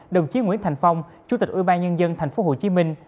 đồng chí nguyễn thành phong chủ tịch ubnd thành phố hồ chí minh